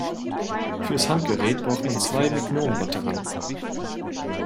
Fürs Handgerät braucht man zwei Mignon-Batterien.